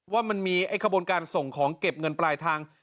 ว่ามันมีขบวนการส่งของเก็บเงินปลายทาง